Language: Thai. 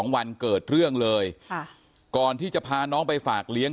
วันเกิดเรื่องเลยก่อนที่จะพาน้องไปฝากเลี้ยง